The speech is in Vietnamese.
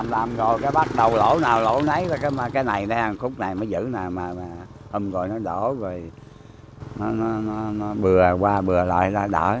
làm rồi cái bắt đầu lỗ nào lỗ nấy cái này nè khúc này mới giữ nè mà hôm rồi nó đổ rồi nó bừa qua bừa lại là đỡ